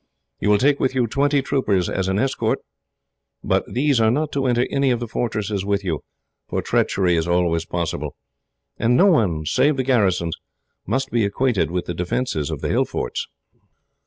"You will take with you twenty troopers as an escort, but these are not to enter any of the fortresses with you, for treachery is always possible; and no one, save the garrisons, must be acquainted with the defences of the hill forts."